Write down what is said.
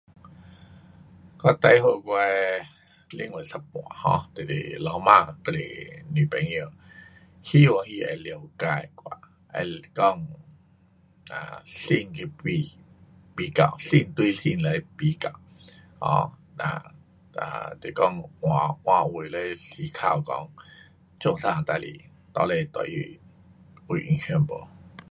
我最后我的另外一半 um 就是老婆，就是女朋友，希望她会了解是讲心对心，心对心来比较。um um um 换位，时间讲，到底对他有影响没。